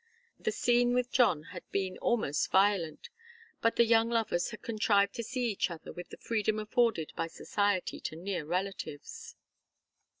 The scene with John had been almost violent, but the young lovers had contrived to see each other with the freedom afforded by society to near relatives.